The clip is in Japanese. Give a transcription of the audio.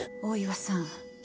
大岩さん